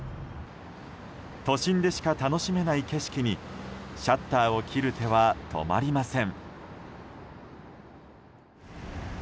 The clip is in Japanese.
都心でしか楽しめない景色にシャッターを切る手は止まりません。